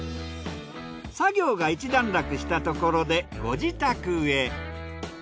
作業が一段落したところでご自宅へ。